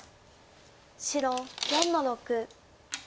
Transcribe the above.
白４の六。